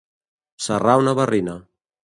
Serrar una barrina.